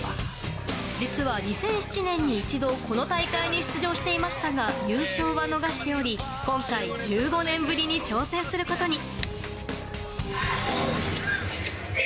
実は２００７年に一度この大会に出場していましたが優勝は逃しており、今回１５年ぶりに挑戦することに。